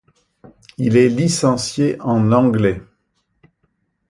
Il est licencié en anglais.